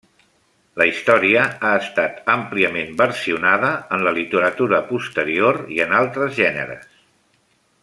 La història ha estat àmpliament versionada en la literatura posterior i en altres gèneres.